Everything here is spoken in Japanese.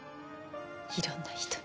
いろんな人に。